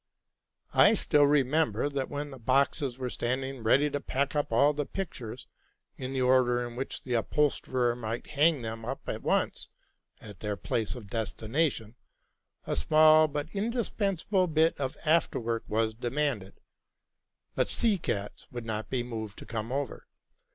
I still remember, that when the boxes were standing ready to pack up all the pictures, in the order in which the upholsterer might hang them up at once, at their place of destination, a small but indispensable bit of afterwork was demanded ; but Seekatz could not be moved to come over.